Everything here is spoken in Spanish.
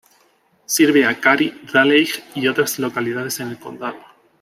Sirve a Cary, Raleigh, y otros localidades en el condado.